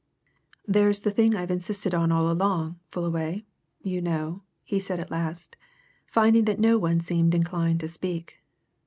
"There's the thing I've insisted on all along, Fullaway, you know," he said at last, finding that no one seemed inclined to speak.